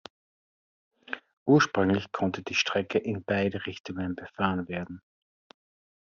Ursprünglich konnte die Strecke in beide Richtungen befahren werden.